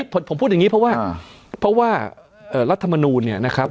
ผมพูดอย่างงี้เพราะว่ารัฐมนูเนี่ยนะครับ